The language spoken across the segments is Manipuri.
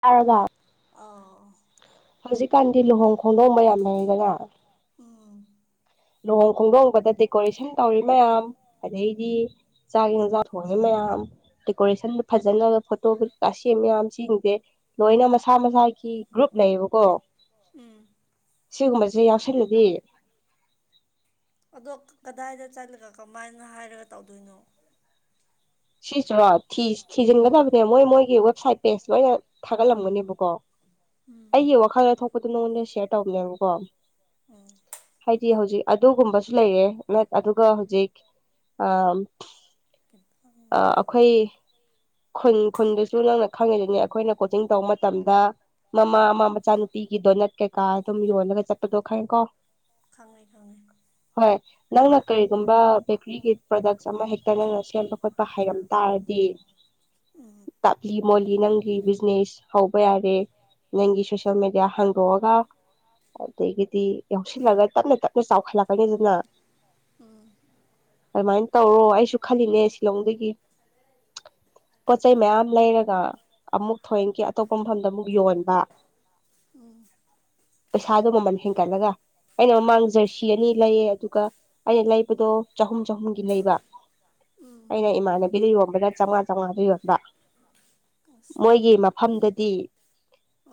ꯇꯥꯔꯕ ꯑ ꯍꯧꯖꯤꯛꯀꯥꯟꯗꯤ ꯂꯨꯍꯣꯡ ꯈꯣꯡꯗꯣꯡ ꯃꯌꯥꯝ ꯂꯩꯗꯅ ꯑꯣ ꯂꯨꯍꯣꯡ ꯈꯣꯡꯗꯣꯡꯕꯗ ꯗꯦꯀꯣꯔꯦꯁꯟ ꯇꯧꯔꯤ ꯃꯌꯥꯝ ꯑꯗꯩꯗꯤ ꯆꯥꯛ ꯌꯦ ꯖꯥ ꯊꯣꯡ ꯃꯌꯥꯝ ꯗꯦꯀꯣꯔꯦꯁꯟꯗ ꯐꯖꯅ ꯐꯣꯇꯣꯀꯥꯁ ꯃꯌꯥꯝꯁꯤꯡꯁꯦ ꯂꯣꯏꯅ ꯃꯁꯥ ꯃꯁꯥꯒꯤ ꯒ꯭ꯔꯨꯞ ꯂꯩꯌꯦꯕꯀꯣ ꯎꯝ ꯁꯤꯒꯨꯝꯕꯁꯦ ꯌꯥꯎꯁꯜꯂꯗꯤ ꯑꯗꯣ ꯀꯗꯥꯏꯗ ꯆꯠꯂꯒ ꯀꯃꯥꯏꯅ ꯍꯥꯏꯔꯒ ꯇꯧꯗꯣꯏꯅꯣ ꯁꯤꯁꯤꯔꯣ ꯎꯝ ꯊꯤꯖꯤꯟꯒꯗꯕꯅꯦ ꯃꯣꯏ ꯃꯣꯏꯒꯤ ꯋꯦꯕꯁꯥꯏꯠ ꯄꯦꯖ ꯂꯣꯏꯅ ꯊꯥꯒꯠꯂꯝꯒꯅꯦꯕꯀꯣ ꯎꯝ ꯑꯩꯒꯤ ꯋꯥꯈꯜꯗ ꯊꯣꯛꯄꯗꯨꯣ ꯅꯉꯣꯟꯗ ꯁꯦꯌꯔ ꯇꯧꯅꯦꯕꯀꯣ ꯎꯝ ꯍꯥꯏꯗꯤ ꯍꯧꯖꯤꯛ ꯑꯗꯨꯒꯨꯝꯕꯁꯨ ꯂꯩꯔꯦ ꯑꯗꯨꯒ ꯍꯧꯖꯤꯛ ꯑ ꯀꯩꯅ ꯑ ꯑꯩꯈꯣꯏ ꯈꯨꯟ ꯈꯨꯟꯗꯨꯁꯨ ꯅꯪꯅ ꯈꯪꯉꯤꯗꯨꯅꯦ ꯑꯩꯈꯣꯏꯅ ꯀꯣꯆꯤꯡ ꯇꯧꯕ ꯃꯇꯝꯗ ꯃꯃꯥ ꯃꯥ ꯃꯆꯥꯅꯨꯄꯤꯒꯤ ꯗꯣ ꯅꯠ ꯀꯩꯀꯥ ꯑꯗꯨꯝ ꯌꯣꯜꯂꯒ ꯆꯠꯄꯗꯣ ꯈꯪꯔꯦ ꯀꯣ ꯈꯪꯅꯩ ꯈꯪꯉꯩ ꯍꯣꯏ ꯅꯪꯅ ꯀꯔꯤꯒꯨꯝꯕ ꯕꯦꯀꯔꯤꯒꯤ ꯄ꯭ꯔꯣꯗꯛꯁ ꯑꯃ ꯍꯦꯛꯇ ꯅꯪꯅꯦꯜ ꯇ ꯈꯣꯠꯄ ꯍꯩꯔꯝ ꯇꯥꯔꯗꯤ ꯎꯝ ꯇꯥꯛꯂꯤ ꯃꯣꯜꯂꯤ ꯅꯪꯒꯤ ꯕꯤꯖꯤꯅꯦꯁ ꯍꯧꯕ ꯌꯥꯔꯦ ꯅꯪꯒꯤ ꯁꯣꯁꯜ ꯃ ꯃꯤꯗꯤꯌꯥ ꯍꯪꯒꯒ ꯑꯗꯒꯤꯗꯤ ꯌꯥꯎꯁꯤꯜꯂꯒ ꯇꯞꯅ ꯇꯞꯅ ꯆꯥꯎꯈꯠꯂꯛꯀꯅꯤꯗꯅ ꯎꯝ ꯑꯗꯨꯃꯥꯏꯅ ꯇꯧꯔꯣ ꯑꯩꯁꯨ ꯈꯜꯂꯤꯅꯦ ꯁꯤꯂꯣꯡꯗꯒꯤ ꯄꯣꯠ ꯆꯩꯩ ꯃꯌꯥꯝ ꯂꯩꯔꯒ ꯑꯃꯨꯛ ꯊꯈꯤ ꯑꯇꯣꯞꯄ ꯃꯐꯝꯗ ꯑꯃꯨꯛ ꯌꯣꯟꯕ ꯎ ꯄꯩꯁꯥꯗꯣ ꯃꯃꯟ ꯍꯦꯟꯒꯠꯂꯒ ꯑꯩꯅ ꯃꯃꯥꯡ ꯖꯔꯁꯤ ꯑꯅꯤ ꯂꯩꯌꯦ ꯑꯗꯨꯒ ꯑꯩꯅ ꯂꯩꯕꯗꯣ ꯆꯍꯨꯝ ꯆꯍꯨꯝꯒꯤ ꯂꯩꯕ ꯎꯝ ꯑꯩꯅ ꯏꯃꯥꯟꯅꯕꯤꯗ ꯌꯣꯟꯕꯒ ꯆꯥꯝꯃꯉꯥ ꯆꯥꯝꯃꯉꯥꯗ ꯌꯣꯟꯕ ꯑꯁ ꯃꯣꯏꯒꯤ ꯅꯪ ꯃꯐꯝꯗꯗꯤ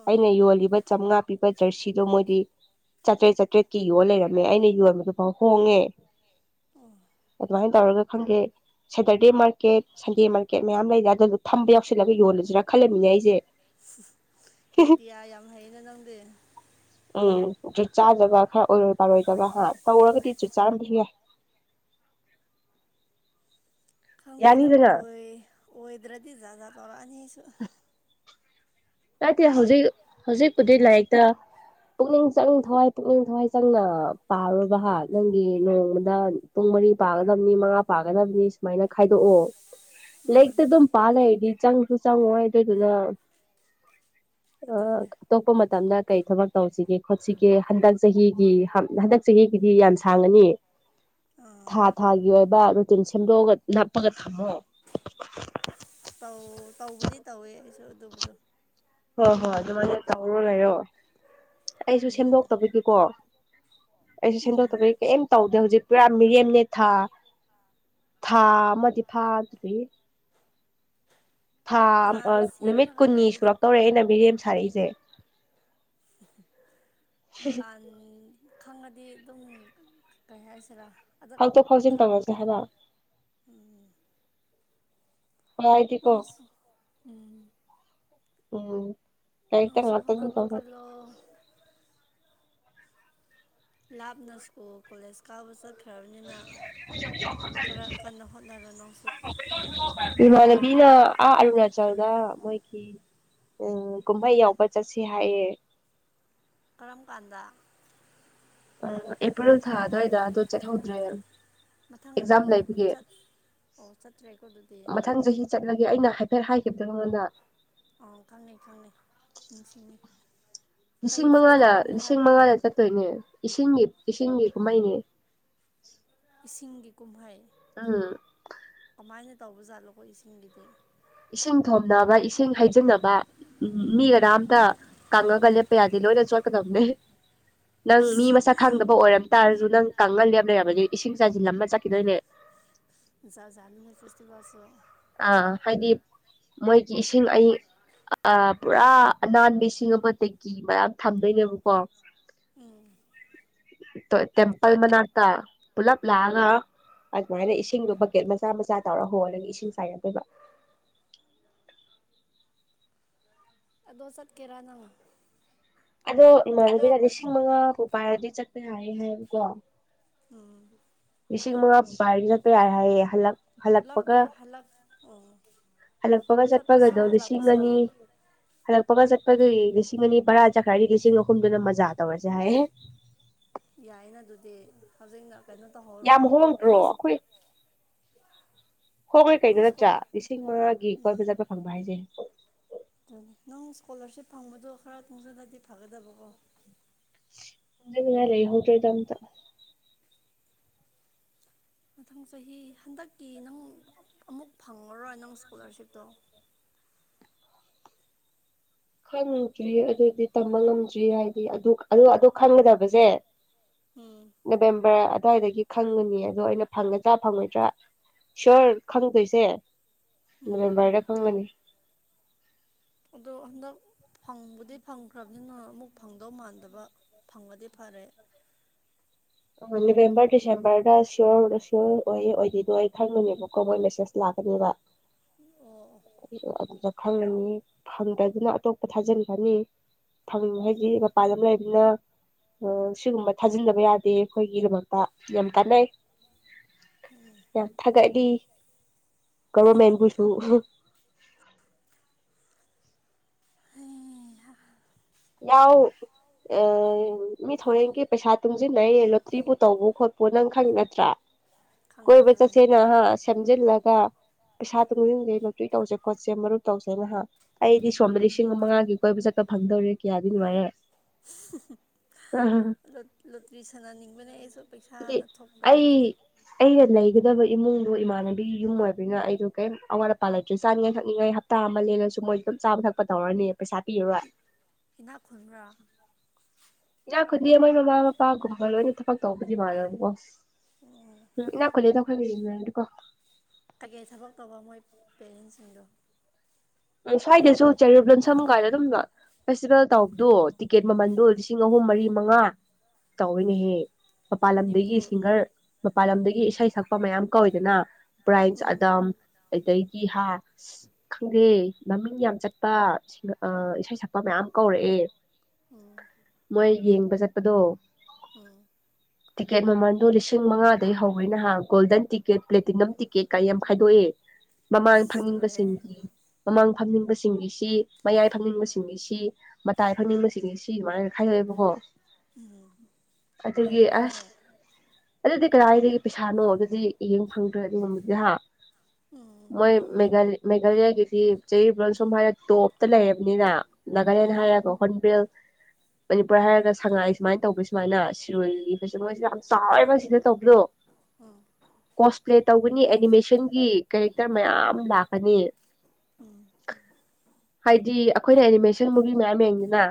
ꯑꯥ ꯑꯩꯅ ꯌꯣꯜꯂꯤꯕ ꯆꯥꯝꯃꯉꯥ ꯄꯤꯕ ꯖꯔꯁꯤꯗꯣ ꯃꯣꯏꯗꯤ ꯆꯥꯇ꯭ꯔꯦꯠ ꯆꯥꯇ꯭ꯔꯦꯠꯀꯤ ꯌꯣ ꯂꯩꯔꯝꯃꯦ ꯑꯩꯅ ꯌꯣꯟꯕꯗꯨꯣ ꯐꯥꯎ ꯍꯣꯡꯉꯦ ꯑꯣ ꯑꯗꯨꯃꯥꯏꯅ ꯇꯧꯔꯒ ꯈꯪꯒꯦ ꯁꯦꯇꯔꯗꯦ ꯃꯥꯔꯀꯦꯠ ꯁꯟꯗꯦ ꯃꯥꯔꯀꯦꯠ ꯃꯌꯥꯝ ꯂꯩꯔ ꯑꯗꯨꯗꯣ ꯊꯝꯕ ꯌꯥꯎꯁꯜꯂꯒ ꯌꯣꯂꯁꯤꯔꯥ ꯈꯜꯂꯃꯤꯅꯦ ꯑꯩꯁꯦ ꯏꯗꯤꯌꯥ ꯌꯥꯝ ꯍꯩꯩꯅ ꯅꯪꯗ ꯎꯝ ꯆꯨꯠ ꯆꯥꯖꯕ ꯈꯔ ꯑꯣꯏꯔꯣꯏ ꯄꯥꯔꯣꯏꯗꯕ ꯍꯥ ꯇꯧꯔꯒꯗꯤ ꯆꯨꯠ ꯆꯥꯔꯝꯗꯤ ꯌꯥꯏ ꯈꯪꯗꯣꯏꯗ ꯌꯥꯅꯤꯗꯅ ꯑꯣꯏ ꯑꯣꯏꯗ꯭ꯔꯗꯤ ꯖꯥꯒꯥ ꯇꯧꯔꯛꯑꯅꯤꯁꯨ ꯀꯗꯦ ꯍꯧꯖꯤꯛ ꯍꯧꯖꯤꯛꯄꯨꯗꯤ ꯂꯥꯏꯔꯤꯛꯇ ꯄꯨꯛꯅꯤꯡ ꯆꯪ ꯊꯋꯥꯏ ꯄꯨꯛꯅꯤꯡ ꯊꯋꯥꯏ ꯆꯪꯅ ꯄꯥꯔꯨꯕꯍ ꯅꯪꯒꯤ ꯅꯣꯡꯃꯗ ꯄꯨꯡ ꯃꯔꯤ ꯄꯥꯒꯗꯕꯅꯤ ꯃꯉꯥ ꯄꯥꯒꯗꯕꯅꯤ ꯁꯨꯃꯥꯏꯅ ꯈꯥꯏꯗꯣꯛꯑꯣ ꯎꯝ ꯂꯩꯒ ꯇ ꯑꯗꯨꯝ ꯄꯥꯂ ꯏꯗꯤ ꯆꯪꯁꯨ ꯆꯪ ꯋꯥꯗꯣꯏ ꯑꯗꯨꯗ ꯑꯣ ꯑꯗꯨꯅꯦ ꯑꯇꯣꯞꯄ ꯃꯇꯝꯗ ꯀꯔꯤ ꯊꯕꯛ ꯇꯧꯁꯤꯒꯦ ꯈꯣꯠꯁꯤꯒꯦ ꯍꯟꯗꯛ ꯆꯍꯤꯒꯤ ꯍꯟꯗꯛ ꯆꯍꯤꯒꯤꯗꯤ ꯌꯥꯝ ꯁꯥꯡꯉꯅꯤ ꯑꯥ ꯊꯥ ꯊꯥꯒꯤ ꯑꯣꯏꯕ ꯔꯨꯇꯤꯟ ꯁꯦꯝꯗꯣꯛꯑꯒ ꯅꯞꯄꯒ ꯊꯝꯃꯣ ꯇꯧꯕꯗꯤ ꯇꯧꯋꯦ ꯑꯩꯁꯨ ꯑꯗꯨꯕꯨꯗꯣ ꯍꯣꯏ ꯍꯣꯏ ꯑꯗꯨꯃꯥꯏꯅ ꯇꯧꯔꯣ ꯂꯩꯔꯣ ꯑꯩꯁꯨ ꯎꯝ ꯁꯦꯝꯗꯣꯛꯇꯕꯒꯤꯀꯣ ꯑꯩꯁꯨ ꯎꯝ ꯁꯦꯝꯗꯣꯛꯇꯕꯒꯤ ꯀꯩꯝ ꯇꯧꯗꯦ ꯍꯧꯖꯤꯛ ꯄꯨꯔꯥ ꯃꯤꯔꯦꯝꯅꯦ ꯊꯥ ꯊꯥ ꯑꯃꯗꯤ ꯐꯥꯗ꯭ꯔꯤ ꯊꯥ ꯄ꯭ꯂꯥꯟ ꯅꯨꯃꯤꯠ ꯁꯦꯝꯃꯒ ꯀꯨꯟꯅꯤ ꯂꯩꯔꯗꯤ ꯁꯨꯔꯛꯇ ꯇꯧꯔꯛꯦ ꯑꯩꯅ ꯕꯤꯔꯦꯝ ꯁꯥꯔꯛꯏꯁꯦ [inaudible] ꯄ꯭ꯂꯥꯟ ꯈꯪꯉꯗꯤ ꯑꯗꯨꯝ ꯀꯩ ꯍꯥꯏꯁꯤꯔꯥ ꯑꯗ ꯐꯥꯎꯗꯣꯛ ꯐꯥꯎꯖꯤꯟ ꯈꯔ ꯇꯧꯔꯁꯦ ꯍꯥꯏꯕ ꯎꯝ ꯥꯏꯗꯤ ꯀꯣ ꯅꯪꯁꯨ ꯎꯝ ꯎꯝ ꯇꯥꯏꯇ ꯃ ꯅꯪꯁꯨ ꯑꯗꯨ ꯍꯣꯠꯅꯕ ꯇꯧ ꯀꯜꯂꯣ ꯂꯥꯞꯅ ꯁꯀꯨꯜ ꯀꯣꯂꯦꯖ ꯀꯥꯕ ꯆꯠ ꯈ꯭ꯔꯕꯅꯤꯅ ꯈꯔ ꯀꯟꯅ ꯍꯣꯠꯅꯔꯣ ꯅꯪꯁꯨ ꯏꯃꯥꯟꯅꯕꯤꯅ ꯑꯥ ꯑꯔꯨꯅꯥꯆꯜꯗ ꯃꯣꯏꯒꯤ ꯎꯝ ꯀꯨꯝꯍꯩ ꯌꯥꯎꯕ ꯆꯠꯁꯤ ꯍꯥꯏꯌꯦ ꯀꯔꯝ ꯀꯥꯟꯗ ꯑ ꯑꯦꯄ꯭ꯔꯤꯜ ꯊꯥ ꯗꯨꯑꯣꯏꯗ ꯑꯗꯨ ꯆꯠ ꯍꯧꯗ꯭ꯔꯦ ꯃꯊꯪ ꯑꯣ ꯆꯠ ꯑꯣ ꯆꯠꯇ꯭ꯔꯦꯀꯣ ꯑꯗꯨꯗꯤ ꯃꯊꯪ ꯆꯍꯤ ꯆꯠꯂꯒꯦ ꯑꯩꯅ ꯍꯥꯏꯐꯦꯠ ꯍꯥꯏꯈꯤꯕꯗ ꯑꯩꯉꯣꯟꯗ ꯑ ꯈꯪꯅꯩ ꯈꯪꯅꯩ ꯅꯤꯡꯁꯤꯡꯅꯤ ꯂꯤꯁꯤꯡ ꯃꯉꯥꯅ ꯂꯤꯁꯤꯡ ꯃꯉꯥꯗ ꯆꯠꯇꯣꯏꯅꯦ ꯏꯁꯤꯡꯒꯤ ꯏꯁꯤꯡꯒꯤ ꯀꯨꯝꯍꯩꯅꯦ ꯏꯁꯤꯡꯒꯤ ꯀꯨꯝꯍꯩ ꯎꯝ ꯀꯃꯥꯏꯅ ꯇꯧꯕꯖꯥꯠꯂꯣꯀꯣ ꯏꯁꯤꯡꯒꯤꯗꯤ ꯏꯁꯤꯡ ꯊꯣꯝꯅꯕ ꯏꯁꯤꯡ ꯍꯩꯖꯤꯟꯅꯕ ꯎ ꯃꯤ ꯀꯔꯝꯇ ꯀꯪꯉꯒ ꯂꯦꯞꯄ ꯌꯥꯗꯦ ꯂꯣꯏꯅ ꯆꯣꯠꯀꯗꯕꯅꯦ ꯅꯪ ꯃꯤ ꯃꯁꯛ ꯑꯁ ꯈꯪꯗꯕ ꯑꯣꯏꯔꯝ ꯇꯥꯔꯁꯨ ꯅꯪ ꯀꯪꯍꯜꯂꯦꯕ ꯂꯩꯔꯕꯅꯦ ꯏꯁꯤꯡ ꯆꯥꯏꯁꯤꯜ ꯑꯃ ꯆꯠꯈꯤꯗꯣꯏꯅꯦ ꯖꯥꯠꯖꯥꯠꯅꯤꯅ‌ꯦ ꯐꯦꯁꯇꯤꯕꯦꯜꯁꯨ ꯑ ꯍꯥꯏꯗꯤ ꯃꯣꯏꯒꯤ ꯏꯁꯤꯡ ꯑ ꯑ ꯄꯨꯔꯥ ꯑꯅꯥꯟꯕ ꯏꯁꯤꯡ ꯑꯃꯗꯒꯤ ꯃꯌꯥꯝ ꯊꯝꯗꯣꯏꯅꯦꯕꯀꯣ ꯎꯝ ꯇꯦꯝꯄꯜ ꯃꯅꯥꯀ ꯄꯨꯂꯞ ꯂꯥꯒ ꯑꯗꯨꯃꯥꯏꯅ ꯏꯁꯤꯡꯗꯣ ꯕꯛꯀꯦꯠ ꯃꯆꯥ ꯃꯆꯥ ꯇꯧꯔ ꯍꯣꯜꯂꯒ ꯏꯁꯤꯡ ꯆꯥꯏꯒꯗꯣꯏꯕ ꯑꯗꯣ ꯆꯠ ꯀ‌ꯦꯔꯥꯅꯪ ꯑꯗꯣ ꯏꯃꯥꯟꯅꯕꯤꯅ ꯂꯤꯁꯤꯡ ꯃꯉꯥ ꯐꯥꯎ ꯄꯥꯏꯔꯗꯤ ꯆꯠꯄ ꯌꯥꯔꯦ ꯍꯥꯏꯌꯦꯕꯀꯣ ꯎꯝ ꯂꯤꯁꯤꯡ ꯃꯉꯥ ꯄꯥꯏꯔꯗꯤ ꯆꯠꯄ ꯌꯥꯔꯦ ꯍꯥꯏꯌꯦ ꯍꯟꯂꯛ ꯄꯨꯂꯞꯀꯤ ꯍꯜꯂꯛꯑꯣ ꯍꯜꯂꯛꯄꯒ ꯆꯠꯄꯒꯗꯣ ꯂꯤꯁꯤꯡ ꯑꯅꯤ ꯍꯜꯂꯛꯄꯒ ꯆꯠꯄꯒꯤ ꯂꯤꯁꯤꯡ ꯑꯅꯤ ꯔꯥ ꯆꯈ꯭ꯔꯥꯏꯒꯤ ꯂꯤꯁꯤꯡ ꯑꯍꯨꯝꯗꯨꯅ ꯃꯖꯥ ꯇꯧꯔꯁꯦ ꯍꯥꯏꯌ‌ꯦ ꯌꯥꯏꯅ ꯑꯗꯨꯗꯤ ꯍꯧꯖꯤꯛꯅ ꯀꯩꯅꯣ ꯇꯧꯍꯧꯔꯣ ꯌꯥꯝ ꯍꯣꯡꯗ꯭ꯔꯣ ꯄꯁ ꯑꯩꯈꯣꯏ ꯍꯣꯡꯉꯩ ꯀꯩ ꯅꯪ ꯅꯠꯇ꯭ꯔꯥ ꯁ꯭ꯀꯣꯂꯔ ꯂꯤꯁꯤꯡ ꯃꯉꯥꯒꯤ ꯀꯣꯏꯕ ꯆꯠꯄ ꯐꯪꯕ ꯍꯥꯏꯁꯦ ꯑꯗꯨ ꯅꯪ ꯏꯁꯀꯣꯂꯥꯔꯁꯤꯞ ꯐꯪꯕꯗꯣ ꯈꯔ ꯇꯨꯡꯁꯤꯜꯂꯗꯤ ꯐꯒꯗꯕꯀꯣ ꯗꯔꯦ ꯍꯧꯗꯔ‌ꯦꯗ ꯑꯝꯇ ꯃꯊꯪ ꯆꯍꯤ ꯍꯟꯗꯛꯀꯤ ꯅꯪ ꯑꯃꯨꯛ ꯐꯪꯉꯔꯣꯏ ꯅꯪ ꯏꯁꯀꯣꯂꯥꯔꯁꯤꯞꯇꯣ ꯈꯪꯗ꯭ꯔꯤ ꯑꯗꯨꯗꯤ ꯇꯝꯕ ꯉꯝꯗ꯭ꯔꯤ ꯍꯥꯏꯗꯤ ꯑꯗꯨ ꯑ ꯑꯗꯨ ꯈꯪꯒꯗꯕꯁꯦ ꯎꯝ ꯅꯕꯦꯝꯕꯔ ꯑꯗꯨꯋꯥꯏꯗꯒꯤ ꯈꯪꯉꯅꯤ ꯑꯗꯣ ꯑꯩꯅ ꯐꯪꯒꯗ꯭ꯔꯥ ꯐꯪꯉꯣꯏꯗ꯭ꯔꯥ ꯁꯌꯣꯔ ꯈꯪꯗꯣꯏꯁꯦ ꯎꯝ ꯃꯦꯝꯕꯥꯔꯗ ꯐꯪꯒꯅꯤ ꯑꯗꯣ ꯍꯟꯗꯛ ꯐꯪꯕꯨꯗꯤ ꯐꯪꯈ꯭ꯔꯕꯅꯤꯅ ꯑꯃꯨꯛ ꯐꯪꯗꯧ ꯃꯥꯟꯗꯕ ꯐꯪꯕꯗꯤ ꯐꯔꯦ ꯅꯕꯦꯝꯕꯔ ꯗꯤꯁꯦꯝꯕꯔꯗ ꯁꯤꯌꯣꯔꯗ ꯁꯤꯌꯣꯔ ꯑꯣꯏ ꯑꯣꯏꯗꯣꯏꯗꯣꯏ ꯑꯩ ꯈꯪꯕꯅꯦꯕꯀꯣ ꯃꯣꯏ ꯃꯦꯁꯦꯁ ꯂꯥꯛꯀꯅꯦꯕ ꯏ ꯑꯗꯨꯗ ꯈꯪꯉꯅꯤ ꯐꯪꯗꯗꯅ ꯑꯇꯣꯞꯄ ꯊꯥꯖꯤꯟꯒꯅꯤ ꯊ ꯍꯥꯏꯗꯤ ꯎꯝ ꯃꯄꯥꯟ ꯑꯃ ꯂꯩꯅꯤꯅ ꯁꯤꯒꯨꯝꯕ ꯊꯥꯖꯤꯟꯗꯕ ꯌꯥꯗꯦ ꯑꯩꯈꯣꯏꯒꯤꯗꯃꯛꯇ ꯌꯥꯝ ꯀꯥꯟꯅꯩ ꯌꯥꯝ ꯊꯥꯒꯠꯂꯤ ꯒꯕꯔꯃꯦꯟꯕꯨꯁꯨ ꯍꯩꯍꯥ ꯌꯥꯎ ꯃꯤ ꯊꯣꯔꯦꯟꯒꯤ ꯄꯩꯁꯥ ꯇꯨꯡꯁꯤꯟꯅꯩꯌꯦ ꯂꯣꯇ꯭ꯔꯤꯕꯨ ꯇꯧꯕ ꯈꯣꯠꯄꯨ ꯅꯪ ꯈꯪ ꯅꯠꯇ꯭ꯔꯥ ꯈꯪꯉꯦ ꯀꯣꯏꯕ ꯈꯪꯉꯦ ꯆꯠꯁꯦꯅꯍ ꯁꯦꯝꯝꯖꯤꯜꯂꯒ ꯄꯩꯁꯥ ꯇꯨꯡꯁꯤꯟꯖꯩ ꯂꯇꯣꯏ ꯇꯧꯁꯦ ꯈꯣꯠꯁꯦ ꯃꯔꯨꯨꯞ ꯇꯧꯁꯦ ꯅꯍꯥꯛ ꯑꯩꯗꯤ ꯁꯣꯝꯗ ꯂꯤꯁꯤꯡ ꯃꯉꯥꯒꯤ ꯀꯣꯏꯕ ꯆꯠꯄ ꯐꯪꯗꯧꯔꯤ ꯃꯔꯦ ꯑ ꯂꯨꯇ꯭ꯔꯤ ꯁꯥꯟꯅꯅꯤꯡꯕꯅꯦ ꯑꯩꯁꯨ ꯄꯩꯁꯥꯅ ꯊꯣꯛꯀ ꯂꯣꯏꯒꯅꯤ ꯑꯩꯒ ꯂꯩꯒꯗꯕ ꯏꯃꯨꯡꯗ ꯏꯃꯥꯟꯅꯕꯤꯒꯤ ꯌꯨꯝ ꯑꯣꯏꯕꯅꯤꯅ ꯑꯩꯗꯣ ꯀꯔꯤꯝ ꯑꯋꯥꯠ ꯑ ꯄꯥꯜꯂꯛꯇ꯭ꯔꯦ ꯆꯥꯅꯤꯡꯉꯥꯏ ꯊꯛꯅꯤꯡꯉꯥꯏ ꯇꯥꯃꯜꯂꯦꯂꯁꯨ ꯃꯣꯏ ꯑꯗꯨꯝ ꯆꯥꯕ ꯊꯛꯄ ꯇꯧꯔꯅꯤ ꯄꯩꯁꯥ ꯄꯤꯔꯨꯔꯣꯏ ꯏꯅꯥꯛ ꯈꯨꯟꯕ꯭ꯔꯥ ꯏꯥ ꯈꯨꯗꯤ ꯃꯣꯏ ꯃꯃꯥ ꯃꯄꯥꯒꯨꯝꯕꯒ ꯂꯣꯏꯅ ꯊꯕꯛ ꯇꯧꯕꯗꯤ ꯃꯥꯜꯂꯅꯤꯀꯣ ꯎꯝ ꯂꯥꯛꯈꯠꯂꯦ ꯇꯈꯣꯏꯗꯤ ꯀꯣ ꯇꯒꯦ ꯊꯕꯛ ꯇꯧꯕ ꯃꯣꯏ ꯄꯦꯔꯦꯟꯁꯤꯡꯗꯣ ꯎ ꯁ꯭ꯋꯥꯏꯗꯁꯨ ꯆꯦ ꯂꯣꯟ ꯁꯝ ꯀꯥꯏꯗ ꯑꯗꯨꯝ ꯂ ꯐꯦꯁꯇꯤꯚꯦꯜ ꯇꯥꯎꯕꯗꯣ ꯇꯤꯛꯀꯦꯠ ꯃꯃꯟꯗꯣ ꯂꯤꯁꯤꯡ ꯑꯍꯨꯝ ꯃꯔꯤ ꯃꯉꯥ ꯇꯧꯤꯅꯦꯍꯦ ꯃꯄꯥꯜ ꯂꯝꯗꯒꯤ ꯃꯅꯤꯄꯨꯔ ꯁꯤꯡꯒꯔ ꯃꯄꯥꯟ ꯂꯝꯗꯒꯤ ꯏꯁꯩ ꯁꯛꯄ ꯃꯌꯥꯝ ꯀꯧꯏꯗꯅ ꯕ꯭ꯔꯥꯏꯟꯁ ꯎꯝ ꯑꯗꯝ ꯑꯩꯗꯒꯤ ꯍꯥ ꯈꯪꯗꯦ ꯃꯃꯤꯡ ꯌꯥꯝ ꯆꯠꯄꯁꯤꯡ ꯏꯁꯩ ꯁꯛꯄ ꯃꯌꯥꯝ ꯀꯧꯔꯛꯑꯦ ꯎꯝ ꯃꯣꯏ ꯌꯦꯡꯕ ꯆꯠꯄꯗꯣ ꯋꯥ ꯇꯤꯛꯀꯦꯠ ꯃꯃꯟꯗꯣ ꯂꯤꯁꯤꯡ ꯃꯉꯥꯗꯩ ꯍꯧꯦ ꯅꯍꯥꯟ ꯒꯣꯜꯗꯟ ꯇꯤꯛꯀꯦꯠ ꯄ꯭ꯂꯦꯇꯤ ꯅꯝ ꯇꯤꯛꯀꯦꯠ ꯀꯩ ꯌꯥꯝ ꯈꯥꯏꯗꯣꯛꯏꯦ ꯃꯃꯥꯡ ꯑꯁ ꯂꯣꯏꯔꯦ ꯐꯪꯅꯤꯡꯕꯁꯤꯡꯒꯤ ꯃꯃꯥꯡ ꯐꯪꯅꯤꯡꯕꯁꯤꯡꯒꯤꯁꯤ ꯃꯌꯥꯏ ꯐꯪꯅꯤꯡꯕꯁꯤꯡꯒꯤꯁꯤ ꯃꯇꯥꯏ ꯐꯪꯅꯤꯡꯕꯁꯤꯡꯁꯦ ꯁꯤ ꯑꯗꯨꯃꯥꯏꯅꯒ ꯈꯥꯏꯗꯣꯛꯑꯦꯕꯀꯣ ꯎꯝ ꯑꯗꯨꯗꯒꯤ ꯅꯩꯔꯦꯅꯦ ꯑꯁ ꯑꯗꯨꯗꯤ ꯀꯗꯥꯏꯗꯒꯤ ꯄꯩꯁꯥꯅꯣ ꯑꯗꯨꯗꯤ ꯍꯡ ꯐꯪꯗ꯭ꯔꯦ ꯑꯗꯨꯒꯨꯝꯕꯗꯤ ꯍꯥ ꯎꯝ ꯃꯣꯏ ꯃꯦꯘ ꯃꯦꯘꯥꯂꯌꯥ ꯌꯥꯒꯦ ꯆꯍꯤ ꯁꯨꯝ ꯍꯥꯏꯔꯒ ꯇꯣꯞꯇ ꯂꯩꯕꯅꯤꯅ ꯅꯥꯒꯥꯂꯦꯟ ꯎꯝ ꯍꯥꯏꯔꯒ ꯍꯣꯟꯕꯦꯜ ꯃꯅꯤꯄꯨꯔ ꯍꯥꯏꯔꯒ ꯁꯉꯥꯏ ꯁꯨꯃꯥꯏꯅ ꯇꯧꯕ ꯁꯨꯃꯥꯏꯅ ꯁꯤꯔꯣꯏꯒꯤ ꯐꯦꯁ ꯃꯣꯏꯁꯤꯗ ꯌꯥꯝ ꯆꯕ ꯁꯤꯗ ꯇꯧꯕꯗꯣ ꯎꯝ ꯀꯣꯁ ꯄ꯭ꯂꯦ ꯇꯧꯒꯅꯤ ꯑꯦꯅꯤꯃꯦꯁꯟꯒꯤ ꯀꯦꯔꯦꯛꯇꯔ ꯃꯌꯥꯝ ꯂꯥꯛꯀꯅꯤ ꯎꯝ ꯍꯥꯏꯗꯤ ꯑꯩꯈꯣꯏꯅ ꯑꯦꯅꯤꯃꯦꯁꯟ ꯃꯨꯚꯤ ꯃꯌꯥꯝ ꯌꯦꯡꯗꯅ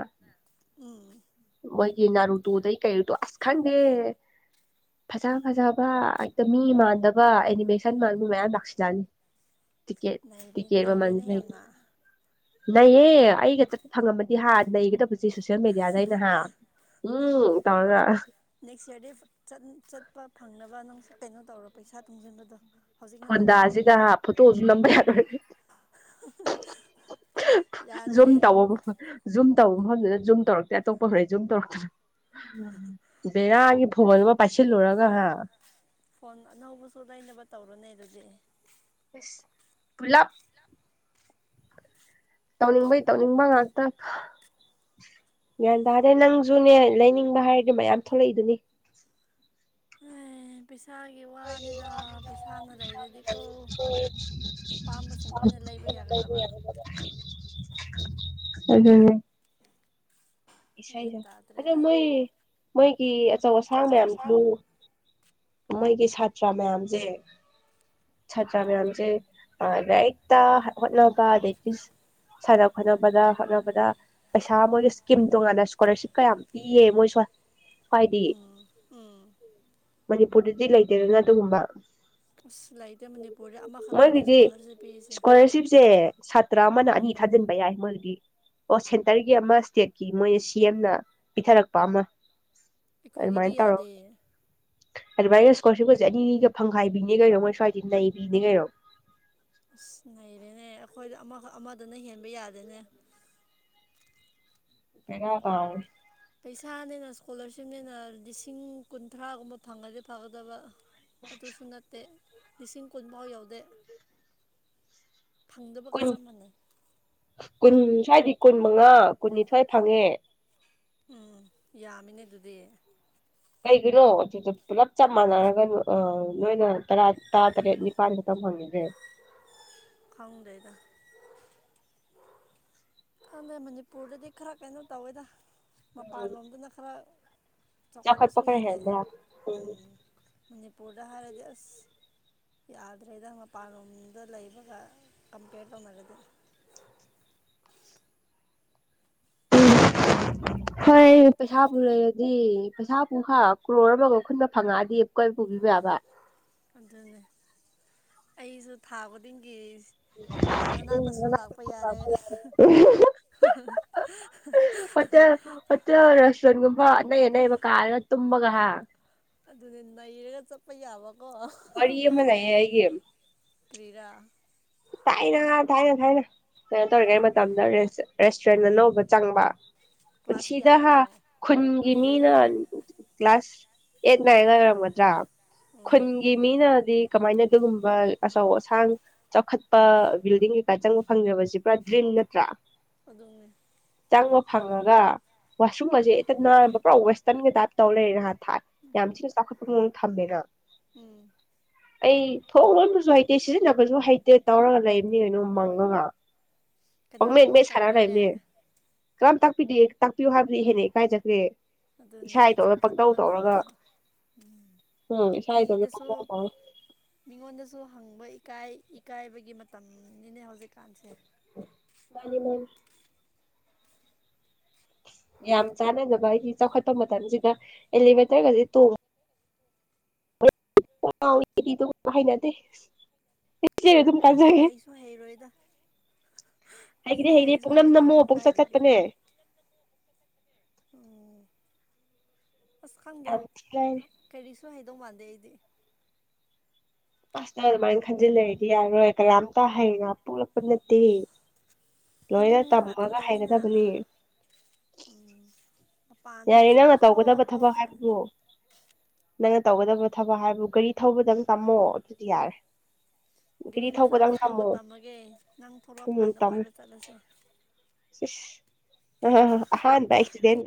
ꯎꯝ ꯃꯣꯏꯒꯤ ꯅꯥꯔꯨꯗꯨ ꯑꯗꯩ ꯀꯩꯔꯨꯗꯣ ꯑꯁ ꯈꯪꯗꯦ ꯐꯖ ꯐꯖꯕ ꯍꯦꯛꯇ ꯃꯤ ꯃꯥꯟꯗꯕ ꯑꯦꯅꯤꯃꯦꯁꯟ ꯃꯥꯟꯕ ꯃꯌꯥꯝ ꯂꯥꯛꯁꯤꯜꯂꯛꯑꯅꯤ ꯇꯤꯀꯦ ꯅꯩꯔꯦ ꯇꯤꯀꯦꯕ ꯅꯩꯔꯦꯅꯦ ꯃꯖ ꯌꯥꯝꯅ ꯅꯍꯦ ꯑꯩꯒ ꯆꯠꯄ ꯐꯪꯉꯝꯃꯗꯤ ꯍꯥ ꯅꯩꯒꯗꯕꯁ ꯁꯣꯁꯦꯜ ꯃꯦꯗꯤꯌꯥꯗ ꯑꯩꯅ ꯍꯥ ꯎꯝ ꯇꯉꯒ ꯅꯦꯛꯁ ꯌꯔꯗꯤ ꯆꯠꯄ ꯐꯪꯅꯕ ꯅꯪ ꯀꯩꯅꯣ ꯇꯧꯔꯣ ꯄꯩꯁꯥ ꯇꯨꯡꯁꯤꯟꯕꯗꯣ ꯍꯧꯖꯤꯛꯅ ꯍꯧꯔꯣ ꯐꯣꯟꯗꯥꯁꯤꯗ ꯐꯣꯇꯣꯁꯨ ꯂꯝꯕ ꯌꯥꯔꯣꯏ ꯖꯨꯝ ꯌꯥꯅꯤꯍꯦ ꯇꯧꯕ ꯃꯐꯝ ꯖꯨꯝ ꯇꯧꯕ ꯃꯐꯝꯗꯨꯗ ꯖꯨꯝ ꯇꯧꯔꯛꯇꯦ ꯑꯇꯣꯞꯄ ꯍꯩ ꯖꯨꯝ ꯇꯧꯔꯛꯇ ꯕꯔꯒꯤ ꯐꯨꯃꯜ ꯑꯃ ꯄꯥꯏꯁꯤꯜꯂꯨꯔꯨꯔꯒ ꯍꯥ ꯐꯣꯟ ꯑꯅꯧꯕꯁꯨ ꯂꯩꯅꯕ ꯇꯧꯔꯨꯅꯦ ꯑꯗꯨꯗꯤ ꯑꯦꯁ ꯨꯂꯞ ꯇꯧꯅꯤꯡꯕꯩ ꯇꯧꯅꯤꯡꯕ ꯉꯥꯛꯇ ꯒ꯭ꯌꯥꯟ ꯇꯥꯗꯦ ꯅꯪꯁꯨꯅꯦ ꯂꯩꯅꯤꯡꯕ ꯍꯥꯏꯔꯗꯤ ꯃꯌꯥꯝ ꯊꯣꯛꯂꯛꯏꯗꯨꯅꯤ ꯑꯦ ꯄꯩꯁꯥꯒꯤ ꯋꯥꯅꯤꯗ ꯄꯩꯁꯥꯅ ꯂꯩꯔꯗꯤꯀꯣ ꯑꯄꯥꯝꯕꯁꯤꯡ ꯂꯣꯏꯅ ꯂꯩꯕ ꯌꯥꯒꯗꯕ ꯑꯗꯨꯅꯦ ꯒ꯭ꯌꯥꯟ ꯏꯁꯩꯁ ꯑꯗꯣ ꯇꯥꯗ꯭ꯔꯦꯗ ꯃꯣꯏ ꯃꯣꯏꯒꯤ ꯑꯆꯧ ꯑꯁꯥꯡ ꯃꯌꯥꯝꯁꯨ ꯃꯣꯏꯒꯤ ꯁꯥꯇ꯭ꯔ ꯃꯌꯥꯝꯁꯦ ꯆꯇ꯭ꯔꯥ ꯃꯌꯥꯝꯁꯦꯛꯇ ꯍꯣꯠꯅꯅꯕꯁ ꯁꯥꯟꯅ ꯈꯣꯠꯅꯕꯗ ꯍꯣꯠꯅꯕꯗ ꯄꯩꯁꯥ ꯃꯣꯏꯒꯤ ꯏꯁꯀꯤꯝ ꯇꯣꯉꯥꯟꯅ ꯏꯁꯀꯣꯂꯥꯔꯁꯤꯞ ꯀꯌꯥꯝ ꯄꯤꯌꯦ ꯃꯣꯏꯁꯨ ꯍꯥꯏꯏꯗꯤ ꯎꯝ ꯎꯝ ꯃꯅꯤꯄꯨꯔꯗꯗꯤ ꯂꯩꯇꯦꯗꯅ ꯑꯗꯨꯒꯨꯝꯕ ꯑꯁ ꯂꯩꯇꯦ ꯃꯅꯤꯄꯨꯔꯗ ꯑꯃꯈꯛꯇꯅꯦ ꯃꯣꯏꯒꯤꯗꯤ ꯏꯁꯀꯣꯂꯔꯁꯤꯞ ꯄꯤꯔꯤꯁꯦ ꯏꯁꯀꯣꯂꯥꯔꯁꯤꯞꯁꯦ ꯁꯥꯇ꯭ꯔ ꯑꯃꯅ ꯑꯅꯤ ꯎꯝ ꯊꯥꯖꯤꯟꯅꯤꯡ ꯌꯥꯏ ꯃꯔꯒꯤ ꯑꯣ ꯁꯦꯟꯇꯔꯒꯤ ꯑꯃ ꯏꯁꯇꯦꯠꯀꯤ ꯃꯣꯏꯅ ꯁꯤ ꯑꯦꯝꯅ ꯄꯤꯊꯔꯛꯄ ꯑꯃ ꯑꯩꯈꯣꯏꯒꯤꯗꯤ ꯑꯗꯨꯃꯥꯏꯅ ꯇꯧꯔꯒ ꯌꯥꯗꯦ ꯑꯗꯨꯃꯥꯏꯅ ꯏꯁꯀꯣꯂꯔꯁꯤꯞꯀꯁ ꯑꯅꯤꯒ ꯐꯪꯈꯥꯏꯕꯤꯅꯦ ꯀꯩꯅꯣ ꯃꯣꯏ ꯁ꯭ꯋꯥꯏꯗꯤ ꯅꯩꯕꯤꯅꯦ ꯀꯩꯅꯣ ꯑꯁ ꯂꯩꯔꯦꯅꯦ ꯑꯩꯈꯣꯏꯗ ꯑꯃꯈꯛ ꯑꯃꯗꯅ ꯍꯦꯟꯕ ꯌꯥꯗꯦꯅꯦ ꯀꯩꯅ ꯇꯔꯦ ꯄꯩꯁꯥꯅꯦꯅ ꯏꯁꯀꯣꯂꯥꯔꯁꯤꯞꯅꯦꯅ ꯂꯤꯁꯤꯡ ꯀꯨꯟꯊ꯭ꯔꯥꯒꯨꯝꯕ ꯐꯪꯒꯗꯤ ꯐꯒꯗꯕ ꯑꯗꯨꯁꯨ ꯅꯠꯇꯦ ꯂꯤꯁꯤꯡ ꯀꯨꯟꯐꯥꯎ ꯌꯥꯎꯗꯦ ꯊꯪꯗꯕꯒ ꯀꯨꯟ ꯆ ꯃꯥꯟꯅ ꯀꯨꯟ ꯁ꯭ꯋꯥꯏꯗꯤ ꯀꯨꯟ ꯃꯉꯥ ꯀꯨꯟꯅꯤꯊꯣꯏ ꯐꯪꯉꯦ ꯎꯝ ꯌꯥꯝꯃꯤꯅꯦ ꯑꯗꯨꯗꯤ ꯀꯩꯒꯤꯅꯣ ꯑꯗꯨꯗ ꯄꯨꯂꯞ ꯆꯞ ꯃꯥꯟꯅꯔꯒ ꯅꯣꯏꯅ ꯇꯔꯥ ꯇꯔꯥ ꯇꯔꯦꯠ ꯅꯤꯄꯥꯜꯗ ꯇꯝꯍꯪꯉꯒꯦ ꯈꯪꯗ꯭ꯔꯦꯗ ꯍꯗ ꯃꯅꯤꯄꯨꯔꯗꯗꯤ ꯈꯔ ꯀꯩꯅꯣ ꯇꯧꯋꯦꯗ ꯎꯝ ꯃꯄꯥꯟꯂꯣꯝꯗꯅ ꯈꯔ ꯆꯈꯣꯏ ꯆꯥꯎꯈꯠꯄ ꯄꯁꯣꯏ ꯈꯔ ꯍꯦꯜꯂꯦ ꯍꯦꯟꯕ꯭ꯔꯥ ꯎꯝ ꯃꯅꯤ ꯄꯨꯔꯗꯍꯔꯗꯤꯁ ꯌꯥꯗ꯭ꯔꯦꯗ ꯃꯄꯥꯟꯂꯣꯝꯗ ꯂꯩꯕꯒ ꯀꯝꯄꯦꯌꯔ ꯇꯧꯅꯔꯗꯤꯦ ꯍꯣꯏ ꯄꯩꯁꯥ ꯄꯨ ꯂꯩꯔꯗꯤ ꯄꯩꯁꯥ ꯄꯨ ꯈ ꯀ꯭ꯔꯣꯔ ꯑꯃꯒ ꯈꯨꯨꯟꯕ ꯐꯪꯉꯛꯑꯗꯤ ꯀꯣꯏ ꯄꯨꯒꯕ ꯑꯕꯕꯥ ꯑꯗꯨꯅꯦ ꯑꯩꯁꯨ ꯊꯥ ꯈꯨꯗꯤꯡꯒꯤ ꯑꯗꯨꯝ ꯅꯅꯥꯛꯇꯁꯨ ꯂꯥꯛꯄ ꯌꯥꯔꯦ ꯍꯣꯇꯦꯜ ꯎ ꯔꯦꯁꯇꯨꯔꯦꯟꯒꯨꯝꯕ ꯑꯅꯩ ꯑꯅꯩꯕ ꯀꯥꯔꯒ ꯇꯨꯝꯕꯒ ꯍꯥ ꯑꯗꯨꯅꯦ ꯅꯩꯔꯒ ꯆꯠꯄ ꯌꯥꯕꯀꯣ ꯋꯥꯔꯤ ꯑꯃ ꯂꯩꯌꯦ ꯑꯩꯒꯤ ꯀꯔꯤꯔꯥ ꯊꯥꯏꯅ ꯊꯥꯏꯅ ꯊꯥꯏꯅ ꯀꯩꯅꯣ ꯇꯧꯔꯤꯉꯩ ꯃꯇꯝꯗ ꯔꯦꯁꯇꯨꯔꯦꯟ ꯑꯅꯧꯕ ꯆꯪꯕ ꯀ꯭ꯂꯥꯁ ꯄꯨꯟꯁꯤꯗꯥ ꯍꯥꯥ ꯀꯌꯥꯗꯅꯣ ꯈꯨꯟꯒꯤ ꯃꯤꯅ ꯀ꯭ꯂꯥꯁ ꯑꯦꯠ ꯅꯥꯏꯟꯒ ꯑꯣꯏꯔꯝꯒꯗ꯭ꯔꯥ ꯎꯝ ꯈꯨꯟ ꯒꯤ ꯃꯤꯅꯗꯤ ꯀꯃꯥꯏꯅ ꯑꯗꯨꯒꯨꯝꯕ ꯑꯆꯧ ꯑꯁꯥꯡ ꯆꯥꯎꯈꯠꯄ ꯕꯤꯜꯗꯤꯡ ꯀꯩꯀꯥ ꯆꯪꯕ ꯐꯪꯗꯕꯁꯤ ꯄꯨꯔꯥ ꯗ꯭ꯔꯤꯝ ꯅꯠꯇ꯭ꯔꯥ ꯑꯗꯨꯅꯦ ꯆꯪꯕ ꯐꯪꯉꯒ ꯋꯥꯁꯔꯨꯝꯑꯖꯦ ꯍꯦꯛꯇ ꯅꯥꯟꯕ ꯄꯨꯔꯥ ꯋꯦꯁꯇꯔꯟꯒꯤ ꯇꯥꯏꯞ ꯇꯧ ꯂꯩꯔꯦ ꯅꯍꯥ ꯊꯥꯏ ꯌꯥꯝ ꯊꯤꯅ ꯆꯥꯎꯈꯠꯄ ꯃꯑꯣꯡ ꯊꯝꯃꯦꯅ ꯎꯝ ꯑꯩ ꯊꯣꯡ ꯂꯣꯟꯕꯖꯨ ꯍꯩꯇꯦ ꯁꯤꯖꯤꯟꯅꯕꯖꯨ ꯍꯩ ꯇꯦ ꯇꯧꯔꯒ ꯂꯩꯕꯅꯦ ꯀꯩꯅꯣ ꯃꯪꯉꯒ ꯄꯪꯃꯦ ꯀꯅꯥꯅ ꯑꯃꯨꯛ ꯃꯦꯠ ꯁꯥꯥꯟꯔꯒ ꯇꯥꯛꯄꯤꯔꯦ ꯂꯩꯕꯅꯦ ꯀꯔꯝ ꯇꯥꯛꯄꯤꯗꯦ ꯇꯥꯛꯄꯤꯌꯣ ꯍꯥꯏꯕꯗꯤ ꯍꯦꯟꯅ ꯏꯀꯥꯏꯖꯈ꯭ꯔꯦ ꯑꯗꯨꯅꯦ ꯏꯁꯥ ꯏꯇꯣꯟꯒ ꯆꯥꯎꯈꯠꯄ ꯄꯪꯇꯧ ꯇꯧꯔꯒ ꯃꯇꯝꯅꯤꯅ ꯏꯁꯥ ꯏꯇꯣꯟꯗ ꯃꯤꯗꯁꯨ ꯄꯪꯇꯧ ꯇꯧꯔꯒꯥ ꯃꯤꯉꯣꯟꯗꯁꯨ ꯍꯪꯕ ꯏꯀꯥꯏ ꯏꯀꯥꯏꯕꯒꯤ ꯃꯇꯝꯅꯤꯅꯦ ꯍꯧꯖꯤꯛꯀꯥꯟꯁꯦ ꯃꯥꯅꯤ ꯃꯥꯅꯤ ꯌꯥꯝ ꯆꯥꯟꯅꯗꯕ ꯍꯥꯏꯗꯤ ꯆꯥꯎꯈꯠꯄ ꯃꯇꯝꯁꯤꯗ ꯑꯦꯂꯤꯚꯦꯇꯔꯒꯁꯦ ꯇꯣꯡ ꯉꯥꯎꯋꯤ ꯏꯕ ꯈꯣꯠꯄ ꯍꯩꯅꯗꯦ ꯆꯦꯔꯖꯨ ꯑꯗꯨꯝ ꯑꯩꯗꯤ ꯀꯥꯟꯖꯒꯦ ꯍꯩꯁꯨ ꯍꯩꯔꯣꯏꯗ ꯑꯩꯗꯤ ꯍꯥꯏꯒꯦꯗꯤ ꯍꯥꯏꯅꯤ ꯍꯩꯁꯨ ꯄꯨꯛꯅꯝ ꯅꯝꯃꯣ ꯍꯩꯔꯣꯏꯗ ꯄꯨꯡꯆꯠ ꯀꯥꯏꯗꯒꯤ ꯆꯠꯄꯅꯦ ꯎꯝ ꯑꯁ ꯈꯪꯗꯦ ꯌꯥꯝ ꯊꯤ ꯂꯥꯏꯔꯤ ꯀꯔꯤꯁꯨ ꯍꯥꯏꯗꯧ ꯃꯥꯟꯗꯦ ꯑꯩꯗꯤ ꯑꯁ ꯅꯪ ꯑꯗꯨꯃꯥꯏꯅ ꯈꯟꯖꯤꯜ ꯂꯩꯔꯗꯤ ꯌꯥꯔꯔꯣꯏ ꯀꯅꯥꯝꯇ ꯍꯩꯅ ꯄꯣꯛꯂꯛꯄ ꯅꯠꯇꯦ ꯂꯣꯏꯅ ꯃꯅꯨꯡꯗ ꯉꯥꯛꯇ ꯇꯝꯃꯒ ꯂꯩꯕꯅꯤꯅ ꯍꯩꯒꯗꯕꯅꯤ ꯎꯝ ꯃꯄꯥꯟꯁꯨ ꯌꯥꯔꯦ ꯅꯪꯅ ꯁꯨꯛꯊꯣꯛ ꯇꯧꯒꯗꯕ ꯊꯕꯛ ꯊꯣꯛꯇ꯭ꯔꯦ ꯍꯥꯏꯕꯕꯨ ꯅꯪꯅ ꯇꯧꯒꯗꯕ ꯊꯕꯛ ꯍꯥꯏꯕꯨ ꯒꯥꯔꯤ ꯊꯧꯕꯗꯪ ꯇꯝꯃꯣ ꯑꯗꯨꯗꯤ ꯌꯥꯔꯦ ꯒꯥꯔꯤ ꯃꯆꯥꯗꯨ ꯊꯧꯕꯗꯪ ꯊꯧꯕ ꯇꯝꯃꯣ ꯇꯝꯃꯒꯦ ꯅꯪ ꯊꯣꯛꯂꯛꯄ ꯎꯝ ꯀꯥꯟꯗ ꯇꯝꯃꯨ ꯀꯣꯏꯕ ꯆꯠꯂꯁꯦ ꯏꯁ ꯑꯥ ꯑꯍꯥꯟꯕ ꯑꯛꯁꯤꯗꯦꯟꯗ